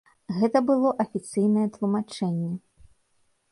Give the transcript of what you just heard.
Гэта было афіцыйнае тлумачэнне.